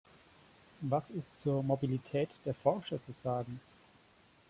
Was ist zur Mobilität der Forscher zu sagen?